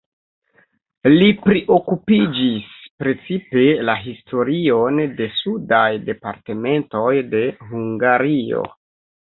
Li priokupiĝis precipe la historion de sudaj departementoj de Hungario.